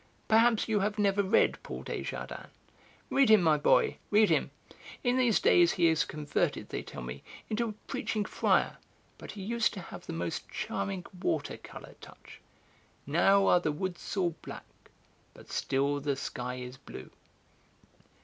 Perhaps you have never read Paul Desjardins. Read him, my boy, read him; in these days he is converted, they tell me, into a preaching friar, but he used to have the most charming water colour touch Now are the woods all black, but still the sky is blue.